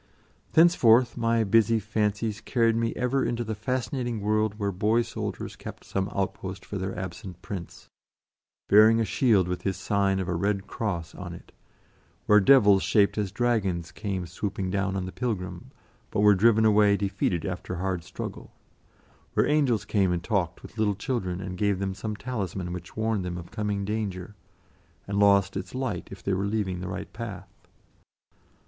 Thenceforth my busy fancies carried me ever into the fascinating world where boy soldiers kept some outpost for their absent Prince, bearing a shield with his sign of a red cross on it; where devils shaped as dragons came swooping down on the pilgrim, but were driven away defeated after hard struggle; where angels came and talked with little children, and gave them some talisman which warned them of coming danger, and lost its light if they were leaving the right path.